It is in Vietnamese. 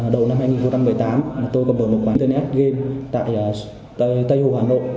đầu năm hai nghìn một mươi tám tôi cầm được một quán internet game tại tây hồ hà nội